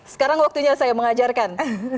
sekarang waktunya saya mengajarkan